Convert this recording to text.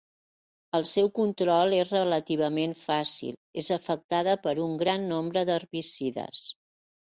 El seu control és relativament fàcil, és afectada per un gran nombre d'herbicides.